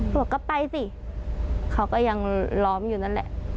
บอกก็ไปสิเขาก็ยังล้อมอยู่นั่นแหละ